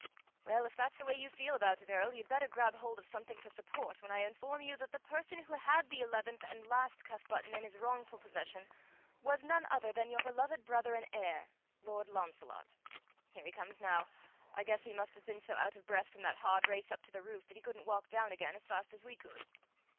"Well, if that's the way you feel about it, Earl, you'd better grab hold of something for support when I inform you that the person who had the eleventh and last cuff button in his wrongful possession was none other than your beloved brother and heir, Lord Launcelot. Here he comes now. I guess he must have been so out of breath from that hard race up to the roof that he couldn't walk down again as fast as we could."